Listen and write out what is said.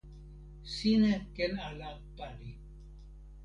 sina ken ala pali.